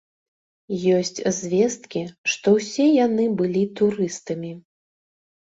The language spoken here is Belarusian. Ёсць звесткі, што ўсе яны былі турыстамі.